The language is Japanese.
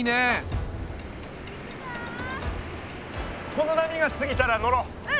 この波がすぎたら乗ろう。